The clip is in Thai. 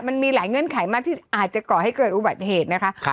มันมีหลายเงื่อนไขมากที่อาจจะก่อให้เกิดอุบัติเหตุนะคะ